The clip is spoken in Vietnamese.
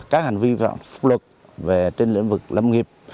các hành vi phục lực trên lĩnh vực lâm nghiệp